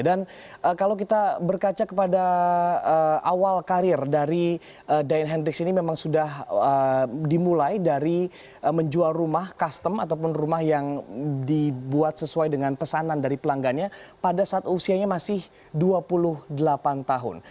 dan kalau kita berkaca kepada awal karir dari diane hendricks ini memang sudah dimulai dari menjual rumah custom ataupun rumah yang dibuat sesuai dengan pesanan dari pelanggannya pada saat usianya masih dua puluh delapan tahun